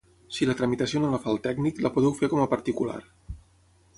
Si la tramitació no la fa el tècnic, la podeu fer com a particular.